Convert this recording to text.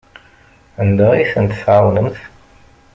Anda ay tent-tɛawnemt?